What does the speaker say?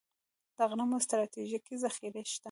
د غنمو ستراتیژیکې ذخیرې شته